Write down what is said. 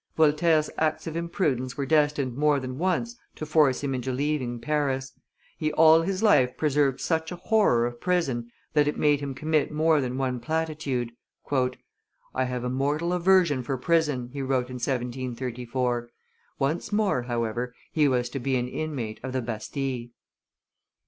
Voltaire's acts of imprudence were destined more than once to force him into leaving Paris; he all his life preserved such a horror of prison, that it made him commit more than one platitude. "I have a mortal aversion for prison," he wrote in 1734; once more, however, he was to be an inmate of the Bastille.